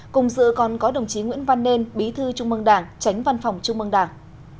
cùng dự còn có đồng chí nguyễn văn nên bí thư trung mương đảng tránh văn phòng trung mương đảng